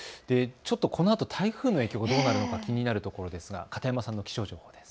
このあと台風の影響がどうなるのか気になるところですが片山さんの気象情報です。